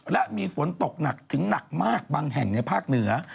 และมีฝนตกหนักถึงหนักมากบางแห่งในภาคเหนือ